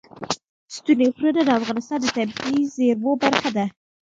ستوني غرونه د افغانستان د طبیعي زیرمو برخه ده.